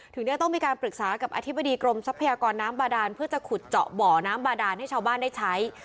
ถึงได้ต้องมีการปรึกษากับอธิบดีกรมทรัพยากรน้ำบาดานเพื่อจะขุดเจาะบ่อน้ำบาดานให้ชาวบ้านได้ใช้